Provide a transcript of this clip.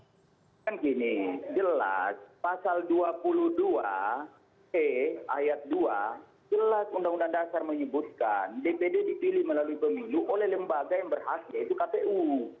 kan gini jelas pasal dua puluh dua e ayat dua jelas undang undang dasar menyebutkan dpd dipilih melalui pemilu oleh lembaga yang berhak yaitu kpu